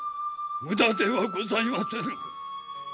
無駄ではございませぬ！